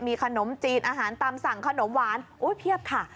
มีขนมจีนอาหารตามสั่งขนมหวานเพียบค่ะ